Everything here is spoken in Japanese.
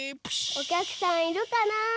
おきゃくさんいるかなあ？